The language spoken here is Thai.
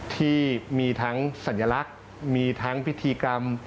ที่มีทั้งสัญลักษณ์มีทั้งพิธีกรรม